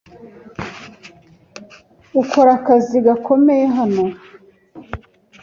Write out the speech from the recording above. Ukora akazi gakomeye hano.